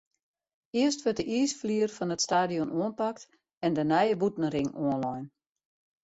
Earst wurdt de iisflier fan it stadion oanpakt en de nije bûtenring oanlein.